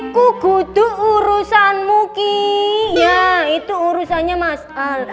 kutu urusanmu ki ya itu urusannya mas al